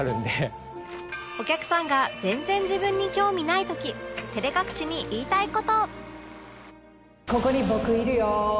お客さんが全然自分に興味ない時照れ隠しに言いたい事